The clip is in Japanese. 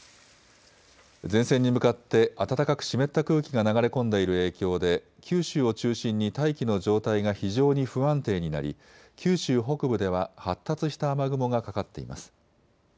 前線に向かって暖かく湿った空気が流れ込んでいる影響で九州を中心に大気の状態が非常に不安定になり、九州北部では発達した雨雲がかかっています。